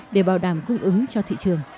để bảo đảm cung ứng cho thị trường